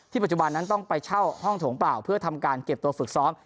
ปัจจุบันนั้นต้องไปเช่าห้องโถงเปล่าเพื่อทำการเก็บตัวฝึกซ้อม